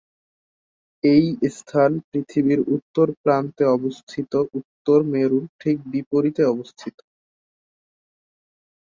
এই স্থান পৃথিবীর উত্তর প্রান্তে অবস্থিত উত্তর মেরুর ঠিক বিপরীতে অবস্থিত।